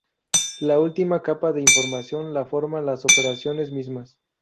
La última capa de información la forman las operaciones mismas.